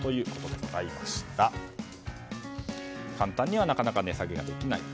簡単にはなかなか値下げができない。